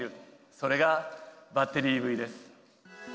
それがバッテリーＥＶです。